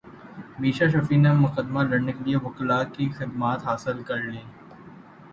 میشا شفیع نے مقدمہ لڑنے کیلئے وکلاء کی خدمات حاصل کرلیں